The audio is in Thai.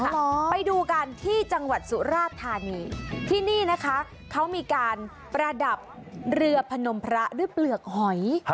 เหรอไปดูกันที่จังหวัดสุราธานีที่นี่นะคะเขามีการประดับเรือพนมพระด้วยเปลือกหอย